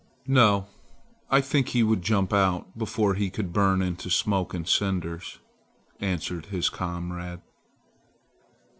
"No! I think he would jump out before he could burn into smoke and cinders," answered his comrade.